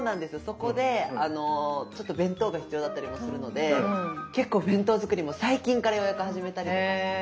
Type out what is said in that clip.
そこでちょっと弁当が必要だったりもするので結構弁当作りも最近からようやく始めたりとかして。